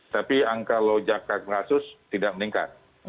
tapi angka lojakan kasus tidak meningkat